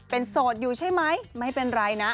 เป็นโสดอยู่ใช่ไหมไม่เป็นไรนะ